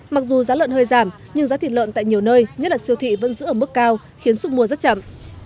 mặc dù giá lợn hơi giảm nhưng giá thịt lợn tại nhiều nơi nhất là siêu thị vẫn giữ ở mức cao khiến sức mua rất chậm